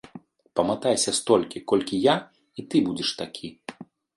Паматайся столькі, колькі я, і ты будзеш такі.